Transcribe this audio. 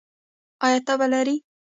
ایا تبه لرئ؟